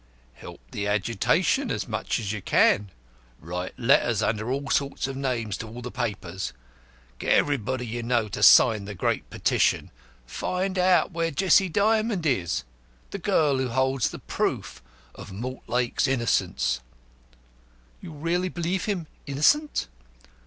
"Help the agitation as much as you can. Write letters under all sorts of names to all the papers. Get everybody you know to sign the great petition. Find out where Jessie Dymond is the girl who holds the proof of Mortlake's innocence." "You really believe him innocent?"